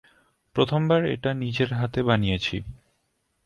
প্রথমবার এটা নিজের হাতে বানিয়েছি।